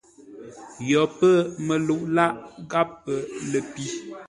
Yo pə̂ məlu lâʼ gháp pə ləpi.